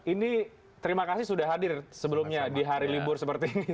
ini terima kasih sudah hadir sebelumnya di hari libur seperti ini